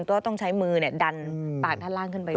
ก็ต้องใช้มือดันปากด้านล่างขึ้นไปก่อน